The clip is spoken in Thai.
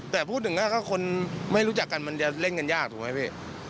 แต่พูดถึงก็คนไม่รู้จักกันมันจะเล่นกันยากถูกไหมพี่